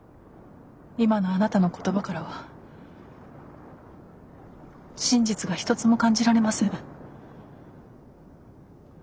今のあなたの言葉からは真実が一つも感じられません。